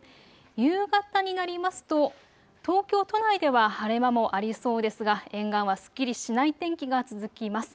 夕方になりますと東京都内では晴れ間もありそうですが沿岸はすっきりしない天気が続きます。